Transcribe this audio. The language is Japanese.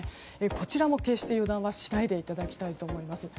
こちらも決して油断はしないでいただきたいと思います。